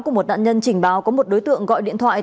của một nạn nhân trình báo có một đối tượng gọi điện thoại